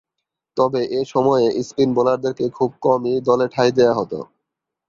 তবে, এ সময়ে স্পিন বোলারদেরকে খুব কমই দলে ঠাঁই দেয়া হতো।